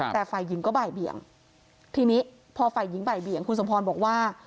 แต่ฝ่ายหญิงก็บ่ายเบี่ยงทีนี้พอฝ่ายหญิงบ่ายเบี่ยงคุณสมพรบอกว่า